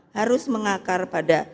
harus mengakar pada